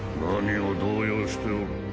何を動揺しておる？